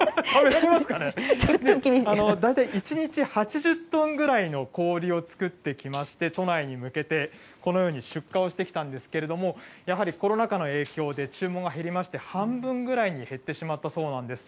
大体１日８０トンぐらいの氷を作ってきまして、都内に向けてこのように出荷をしてきたんですけれども、やはりコロナ禍の影響で注文が減りまして、半分ぐらいに減ってしまったそうなんです。